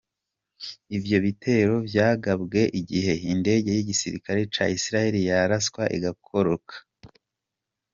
Ivyo bitero vyagabwe igihe indege y'igisirikare ca Israeli yaraswa igakoroka.